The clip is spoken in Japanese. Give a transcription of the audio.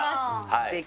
すてき。